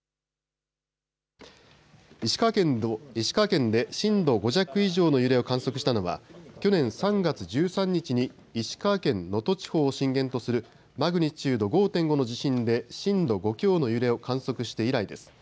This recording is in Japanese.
石川県で震度５弱以上の揺れを観測したのは去年３月１３日に石川県能登地方を震源とするマグニチュード５．５の地震で震度５強の揺れを観測して以来です。